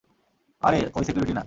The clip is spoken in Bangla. আরে ওই সিকিউরিটি না।